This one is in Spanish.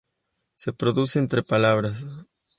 Se produce entre palabras.